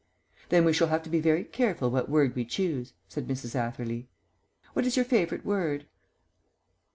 "Then we shall have to be very careful what word we choose," said Mrs. Atherley. "What is your favourite word?"